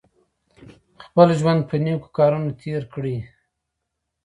خپل ژوند په نېکو کارونو تېر کړئ.